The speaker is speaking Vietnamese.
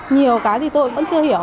nhiều cái thì tôi vẫn chưa hiểu